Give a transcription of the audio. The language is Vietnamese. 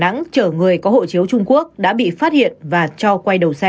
trường hợp đắn chở người có hộ chiếu trung quốc đã bị phát hiện và cho quay đầu xe